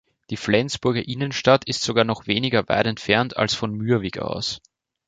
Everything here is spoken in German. Die Flensburger Innenstadt ist sogar noch weniger weit entfernt als von Mürwik aus.